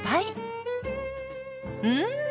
うん！